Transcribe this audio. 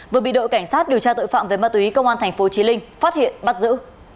vừa bị đội cảnh sát điều tra tội phạm về ma túy công an tp chí linh phát hiện bắt giữ